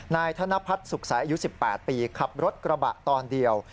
นายธนพัฒน์สุขใสอายุ๑๘ปีขับรถกระบะตอนเดียว